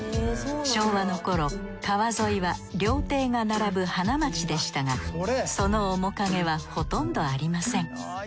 昭和の頃川沿いは料亭が並ぶ花街でしたがその面影はほとんどありません。